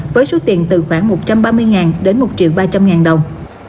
với số tiền từ khoảng một trăm ba mươi đến một ba trăm linh đồng